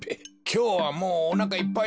きょうはもうおなかいっぱいじゃ。